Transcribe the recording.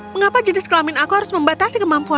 mengapa jenis kelamin aku harus membatasi kemampuan